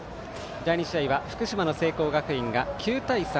第２試合は福島の聖光学院が９対３。